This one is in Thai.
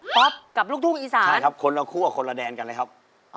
กับลูกทุ่งอีสานใช่ครับคนละคั่วคนละแดนกันเลยครับ